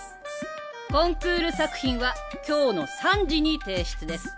コンクール作品は今日の３時に提出です。